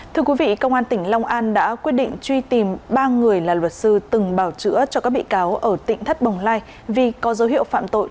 thưa quý vị công an tỉnh long an đã quyết định truy tìm ba người là luật sư từng bảo chữa cho các bị cáo ở tỉnh thất bồng lai vì có dấu hiệu phạm tội